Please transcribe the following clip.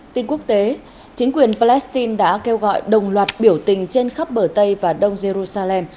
tin quốc tế chính quyền palestine đã kêu gọi đồng loạt biểu tình trên khắp bờ tây và đông jerusalem